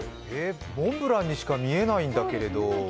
モンブランにしか見えないんだけれど。